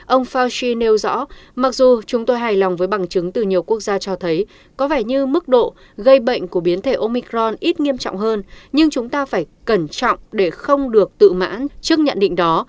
ông fauchi nêu rõ mặc dù chúng tôi hài lòng với bằng chứng từ nhiều quốc gia cho thấy có vẻ như mức độ gây bệnh của biến thể omicron ít nghiêm trọng hơn nhưng chúng ta phải cẩn trọng để không được tự mãn trước nhận định đó